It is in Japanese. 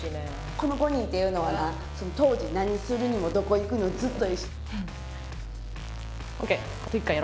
この５人っていうのはな当時何するにもどこ行くのもずっと。